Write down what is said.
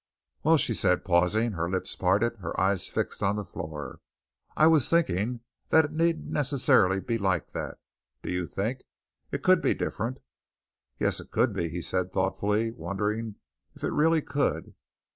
"Well," she said, pausing, her lips parted, her eyes fixed on the floor, "I was thinking that it needn't necessarily be like that, do you think? It could be different?" "Yes, it could be," he said thoughtfully, wondering if it really could.